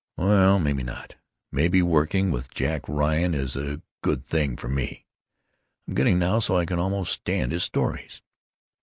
"Well, maybe not. Maybe working with Jack Ryan is a good thing for me. I'm getting now so I can almost stand his stories!